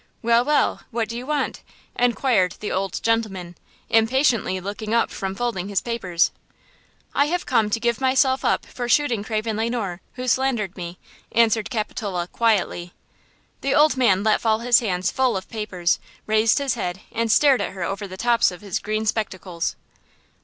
Well, well, what do you want?" inquired the old gentleman, impatiently looking up from folding his papers. "I have come to give myself up for shooting Craven Le Noir, who slandered me," answered Capitola, quietly. The old man let fall his hands full of papers, raised his head and stared at her over the tops of his green spectacles.